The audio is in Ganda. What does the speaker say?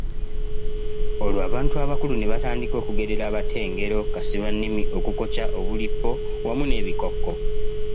Olwo abantu abakulu ne batandika okugerera abato engero, kasiba nnimi, okukokya, obulippo, wamu n'ebikokko.